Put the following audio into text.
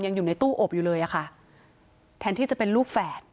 ยังอยู่ในตู้อบอยู่เลยอะค่ะแทนที่จะเป็นลูกแฝด